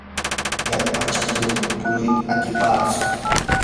yarpachakuywan punuyta atipatsu.